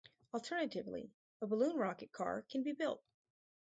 Alternatively, a balloon rocket car can be built.